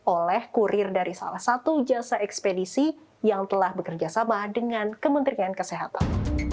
oleh kurir dari salah satu jasa ekspedisi yang telah bekerjasama dengan kementerian kesehatan